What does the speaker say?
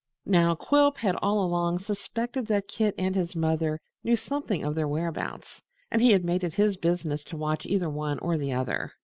Now Quilp had all along suspected that Kit and his mother knew something of their whereabouts, and he had made it his business to watch either one or the other.